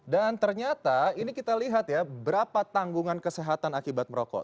dan ternyata ini kita lihat ya berapa tanggungan kesehatan akibat merokok